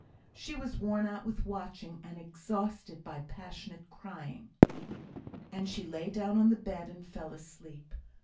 She was worn out with watching, and exhausted by passionate crying, and she lay down on the bed and fell asleep.